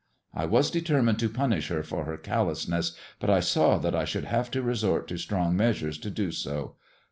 I was determined to punish her for her callousness, but I saw that I should have to resort to strong measures to do so.